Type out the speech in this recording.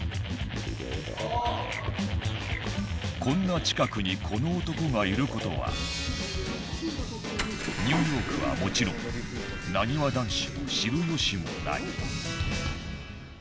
こんな近くにこの男がいる事はニューヨークはもちろんなにわ男子も知る由もない。